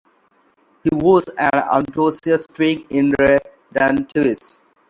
He was an enthusiastic irredentist.